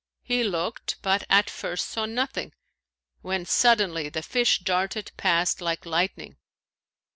He looked but at first saw nothing, when, suddenly, the fish darted past like lightning.